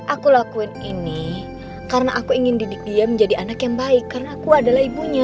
aku lakuin ini karena aku ingin didik dia menjadi anak yang baik karena aku adalah ibunya